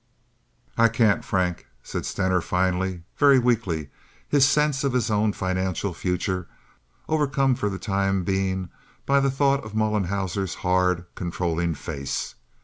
"I can't, Frank," said Stener, finally, very weakly, his sense of his own financial future, overcome for the time being by the thought of Mollenhauer's hard, controlling face.